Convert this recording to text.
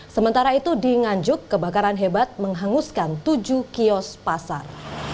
sementara itu di nganjuk kebakaran hebat menghanguskan tujuh kios pasar